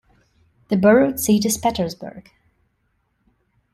The borough seat is Petersburg.